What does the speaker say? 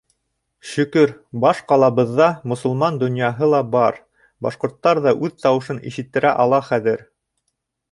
Шөкөр, баш ҡалабыҙҙа мосолман донъяһы ла бар, башҡорттар ҙа үҙ тауышын ишеттерә ала хәҙер.